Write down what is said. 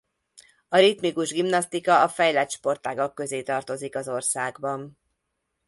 A ritmikus gimnasztika a fejlett sportágak közé tartozik az országban.